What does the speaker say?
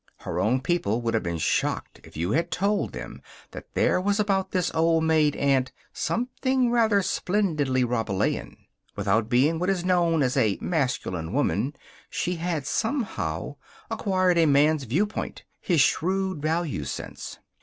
Her own people would have been shocked if you had told them that there was about this old maid aunt something rather splendidly Rabelaisian. Without being what is known as a masculine woman, she had, somehow, acquired the man's viewpoint, his shrewd value sense.